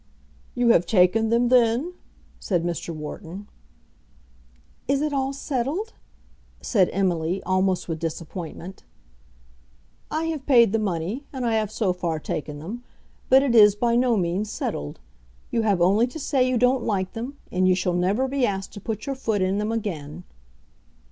"You have taken them, then?" said Mr. Wharton. "Is it all settled?" said Emily, almost with disappointment. "I have paid the money, and I have so far taken them. But it is by no means settled. You have only to say you don't like them, and you shall never be asked to put your foot in them again."